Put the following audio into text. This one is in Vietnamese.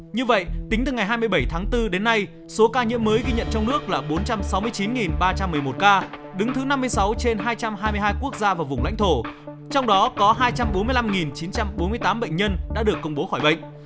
như vậy tính từ ngày hai mươi bảy tháng bốn đến nay số ca nhiễm mới ghi nhận trong nước là bốn trăm sáu mươi chín ba trăm một mươi một ca đứng thứ năm mươi sáu trên hai trăm hai mươi hai quốc gia và vùng lãnh thổ trong đó có hai trăm bốn mươi năm chín trăm bốn mươi tám bệnh nhân đã được công bố khỏi bệnh